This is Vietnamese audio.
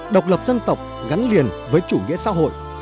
độc lập dân tộc gắn liền với chủ nghĩa xã hội